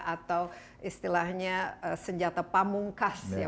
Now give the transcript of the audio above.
atau istilahnya senjata pamungkas ya